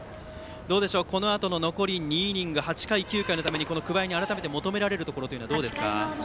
このあとの残り２イニング８回、９回に桑江に求められるところはどうですか。